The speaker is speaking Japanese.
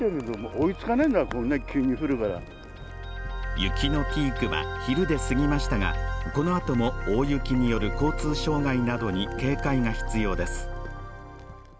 雪のピークは昼で過ぎましたがこのあとも大雪による交通障害などに警戒が必要です。